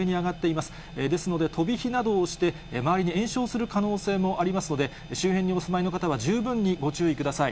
ですので飛び火などをして、周りに延焼する可能性もありますので、周辺にお住まいの方は十分にご注意ください。